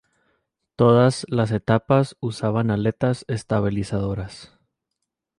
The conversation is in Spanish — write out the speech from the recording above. Todas las etapas usaban aletas estabilizadoras.